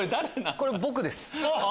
これ僕です。